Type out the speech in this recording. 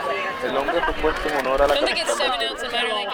El nombre fue puesto en honor a la capital del Perú.